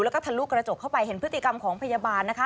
แล้วก็ทะลุกระจกเข้าไปเห็นพฤติกรรมของพยาบาลนะคะ